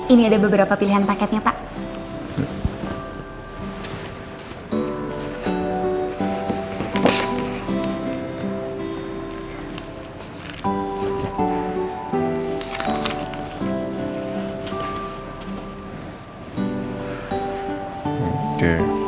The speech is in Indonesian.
ini ada beberapa pilihan paketnya pak